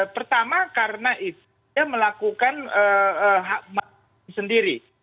pertama karena itu dia melakukan hak hak sendiri